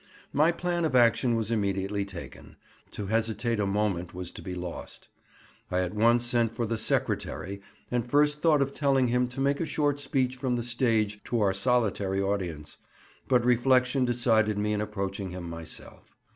My plan of action was immediately taken; to hesitate a moment was to be lost. I at once sent for the "secretary," and first thought of telling him to make a short speech from the stage to our solitary audience; but reflection decided me in approaching him myself.